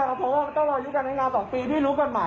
เขาบอกว่าอายุไม่ถึงต้องร้อยสองสิบปีก่อน